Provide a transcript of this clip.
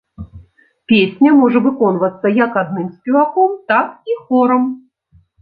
Песня можа выконвацца як адным спеваком, так і хорам.